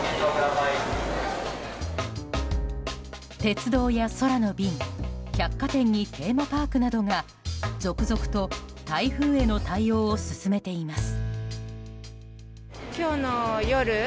鉄道や空の便百貨店にテーマパークなどが続々と台風への対応を進めています。